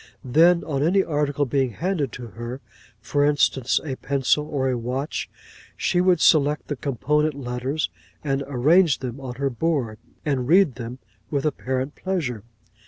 'Then, on any article being handed to her, for instance, a pencil, or a watch, she would select the component letters, and arrange them on her board, and read them with apparent pleasure.